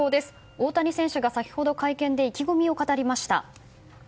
大谷選手が先ほど会見で意気込みを語りました。